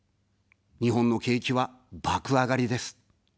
日本の景気は爆あがりです。